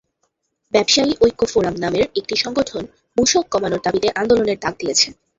ব্যবসায়ী ঐক্য ফোরাম নামের একটি সংগঠন মূসক কমানোর দাবিতে আন্দোলনের ডাক দিয়েছে।